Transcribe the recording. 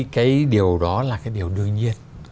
cái điều đó là cái điều đương nhiên